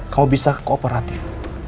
kamu bisa kooperatif